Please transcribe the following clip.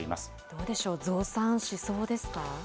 どうでしょう、増産しそうですか？